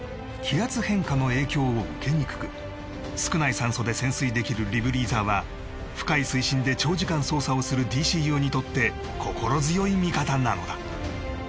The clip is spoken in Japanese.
気圧変化の影響を受けにくく少ない酸素で潜水できるリブリーザーは深い水深で長時間捜査をするＤＣＵにとって心強い味方なのだ